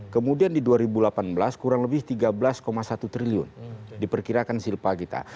kemudian di dua ribu delapan belas kurang lebih tiga belas satu triliun diperkirakan silpa kita